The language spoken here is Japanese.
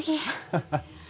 ハッハハ。